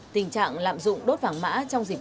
tình trạng lạm dụng đốt vàng mã trong dịp này